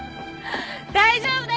大丈夫だよ！